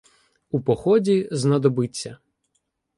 У поході знадобиться